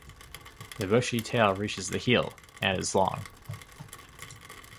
The bushy tail reaches the heel, and is long.